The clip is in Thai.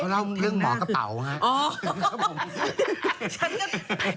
อ๋อเขาเล่าเรื่องหมอกระเป๋าค่ะ